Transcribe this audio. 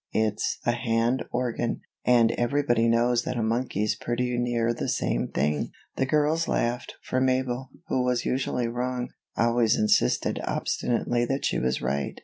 It's a hand organ, and everybody knows that a monkey's pretty near the same thing." The girls laughed, for Mabel, who was usually wrong, always insisted obstinately that she was right.